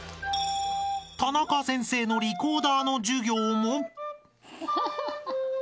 タナカ先生のリコーダーの授業も。